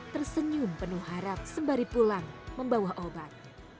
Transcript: tersenyum penuh harap sembari pulang membawa obat